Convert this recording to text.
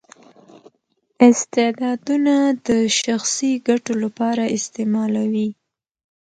استعدادونه د شخصي ګټو لپاره استعمالوي.